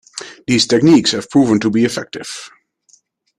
These techniques have proven to be effective.